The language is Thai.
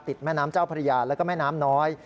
แม่น้ำเจ้าพระยาแล้วก็แม่น้ำน้อย